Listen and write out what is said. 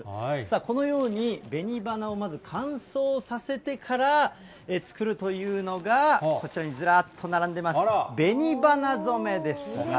このようにべに花をまず乾燥させてから作るというのがこちらにずらっと並んでます、べに花染めです。